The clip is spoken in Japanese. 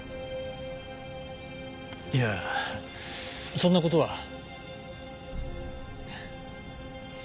いやそんな事は。